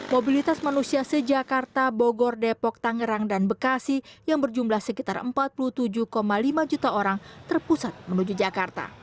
mobilitas manusia sejakarta bogor depok tangerang dan bekasi yang berjumlah sekitar empat puluh tujuh lima juta orang terpusat menuju jakarta